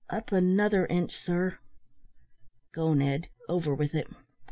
"Up another inch, sir." "Go, Ned, over with it.